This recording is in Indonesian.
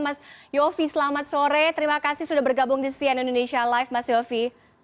mas yofi selamat sore terima kasih sudah bergabung di cn indonesia live mas yofi